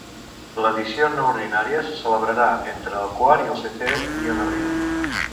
L'edició no ordinària se celebrarà entre el quart i el setè dia d'abril.